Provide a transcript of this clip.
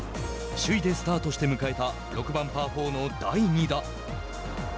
首位でスタートして迎えた６番、パー４の第２打。